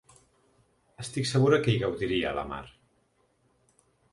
Estic segura que hi gaudiria la mar.